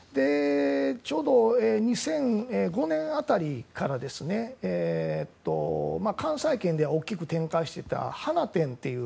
ちょうど２００５年辺りから関西圏では大きく展開していたハナテンという